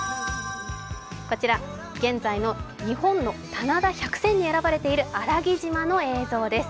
こちら現在の日本の棚田１００選に選ばれているあらぎ島の様子です。